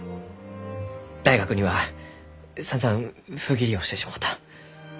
大学にはさんざん不義理をしてしもうた。